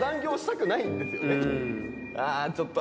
ちょっと